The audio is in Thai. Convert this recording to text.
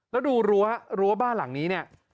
แล้วดูรั้วรั้วบ้านหลังนี้เนี่ย